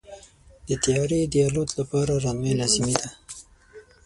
د طیارې د الوت لپاره رنوی لازمي دی.